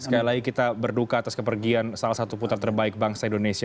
sekali lagi kita berduka atas kepergian salah satu putra terbaik bangsa indonesia